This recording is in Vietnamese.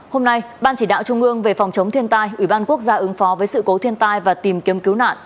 hôm nay ban chỉ đạo trung ương về phòng chống thiên tai ủy ban quốc gia ứng phó với sự cố thiên tai và tìm kiếm cứu nạn